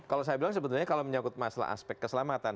kalau saya bilang sebetulnya kalau menyangkut masalah aspek keselamatan